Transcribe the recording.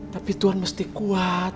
tapi tuhan mesti kuat